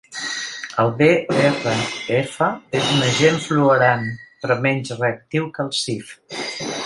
El BrF és un agent fluorant, però menys reactiu que el ClF.